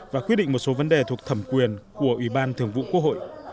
và quyết định một số vấn đề thuộc thẩm quyền của ủy ban thường vụ quốc hội